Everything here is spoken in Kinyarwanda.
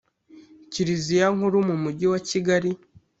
kiriziya nkuru mu mugi wa kigali,